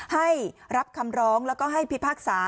ให้รับคำร้องแล้วก็ให้พิพากษา